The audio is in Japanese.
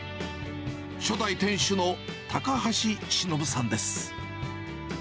初代店主の高橋忍さんです。